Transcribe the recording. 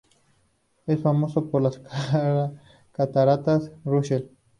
Es famoso por las "cataratas Russell".